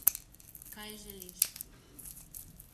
Kaj želiš?